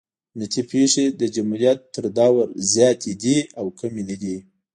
امنیتي پېښې د جمهوریت د دور نه زیاتې دي او کمې نه دي.